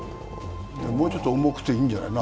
もうちょっと重くていいんじゃないの？